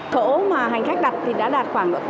thổ mà hành khách đặt thì đã đạt khoảng tám mươi chín mươi